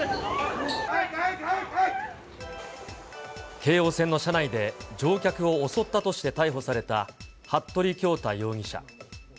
京王線の車内で、乗客を襲ったとして逮捕された服部恭太容疑者。